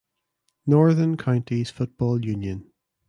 Northern Counties Football Union.